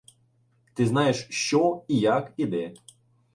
Ти знаєш, що, і як, і де.